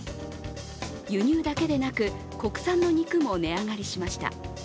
輸入だけでなく、国産の肉も値上がりしました。